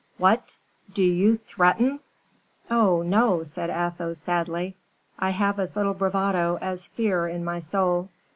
'" "What! do you threaten?" "Oh, no," said Athos, sadly, "I have as little bravado as fear in my soul.